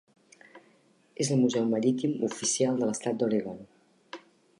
És el Museu Marítim oficial de l'estat d'Oregon.